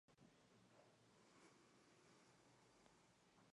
Vaamonde fue un arquitecto muy activo en el ámbito corporativo.